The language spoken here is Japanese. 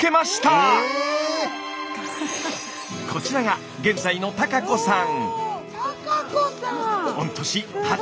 こちらが現在の多加子さん！